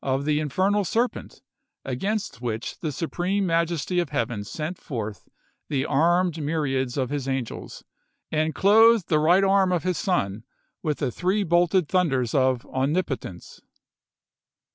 'the Infernal Serpent,' against which the Supreme Majesty of Heaven sent forth the armed mjTiads of his angels, and clothed the right arm of his Son with the three bolted thunders of Omnipotence.